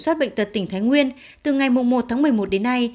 trung tâm kiểm soát bệnh tật tỉnh thái nguyên từ ngày một tháng một mươi một đến nay